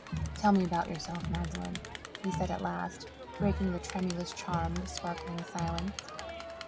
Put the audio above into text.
"Tell me about yourself, Magdalen," he said at last, breaking the tremulous, charmed, sparkling silence.